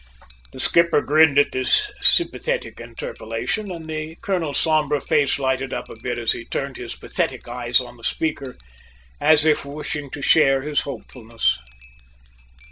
The skipper grinned at this sympathetic interpolation, and the colonel's sombre face lighted up a bit as he turned his pathetic eyes on the speaker, as if wishing to share his hopefulness.